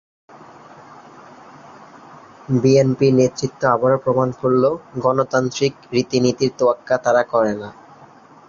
BNP নেতৃত্ব আবারও প্রমাণ করল গণতান্ত্রিক রীতিনীতির তোয়াক্কা তারা করে না।